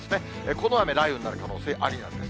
この雨、雷雨になる可能性ありなんです。